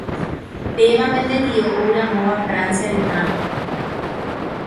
péva pende tio ouramóva Francia retãgui